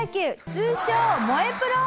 通称『燃えプロ』。